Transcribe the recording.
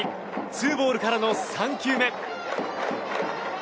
ツーボールからの３球目。